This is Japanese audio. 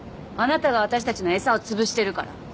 あなたが私たちの餌をつぶしてるから。